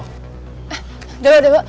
eh dewa dega